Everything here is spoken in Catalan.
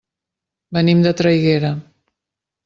Venim de Traiguera.